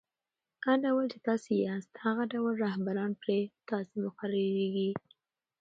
هر ډول، چي تاسي یاست؛ هغه ډول رهبران پر تاسي مقررېږي.